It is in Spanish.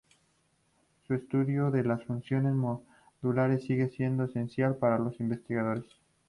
Su estudio de las funciones modulares sigue siendo esencial para los investigadores.